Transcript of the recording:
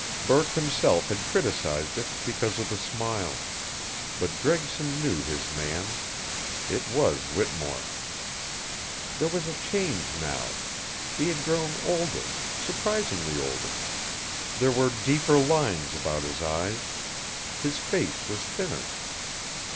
Burke himself had criticized it because of the smile. But Gregson knew his man. It was Whittemore. There was a change now. He had grown older, surprisingly older. There were deeper lines about his eyes. His face was thinner.